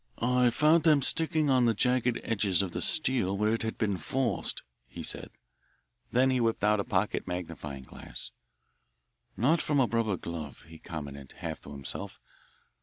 "I found them sticking on the jagged edges of the steel where it had been forced," he said. Then he whipped out a pocket magnifying glass. "Not from a rubber glove," he commented half to himself.